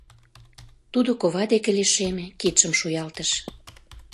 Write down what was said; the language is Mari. Тудо кова деке лишеме, кидшым шуялтыш.